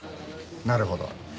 なるほど。